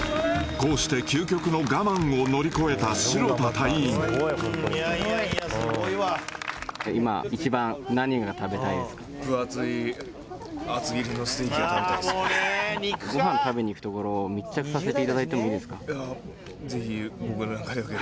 こうして究極の我慢を乗り越えた代田隊員ご飯食べに行くところを密着させていただいてもいいですか？